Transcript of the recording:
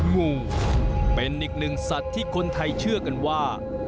งูเป็นอีกหนึ่งสัตว์ที่คนไทยเชื่อกันว่า